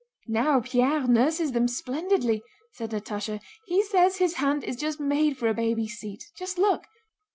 "Now, Pierre nurses them splendidly," said Natásha. "He says his hand is just made for a baby's seat. Just look!"